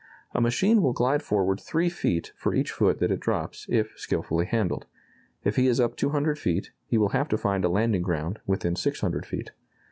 A machine will glide forward 3 feet for each foot that it drops, if skilfully handled. If he is up 200 feet, he will have to find a landing ground within 600 feet.